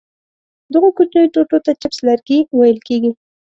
دغو کوچنیو ټوټو ته چپس لرګي ویل کېږي.